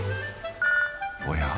おや？